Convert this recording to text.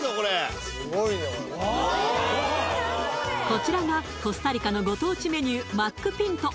こちらがコスタリカのご当地メニューマックピント